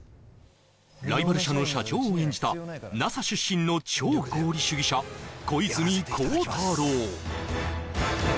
ライバル社の社長を演じたＮＡＳＡ出身の超合理主義者小泉孝太郎